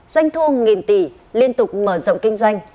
doanh thu nghìn tỷ liên tục mở rộng kinh doanh